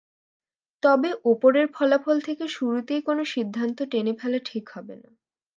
তবে ওপরের ফলাফল থেকে শুরুতেই কোনো সিদ্ধান্ত টেনে ফেলা ঠিক হবে না।